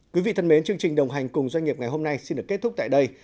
quý vị thân mến chương trình đồng hành cùng doanh nghiệp ngày hôm nay xin được kết thúc tại đây